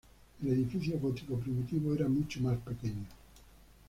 El edificio gótico primitivo era mucho más pequeño.